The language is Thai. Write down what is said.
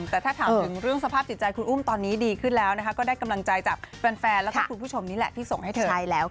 แต่ถ้าถามถึงเรื่องสภาพจิตใจคุณอุ้มตอนนี้ดีขึ้นแล้ว